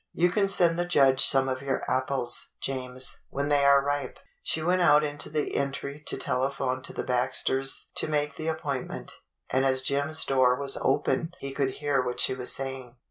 You can send the judge some of your apples, James, when they are ripe." She went out into the entry to telephone to the Baxters' to make the appointment; and as Jim's door was open he could hear what she was saying.